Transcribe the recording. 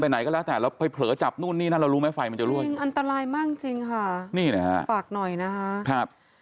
ใช่แล้วไม่รู้ว่าปล่อยให้รั่วอยู่นั้นแค่ไหนแล้วนะ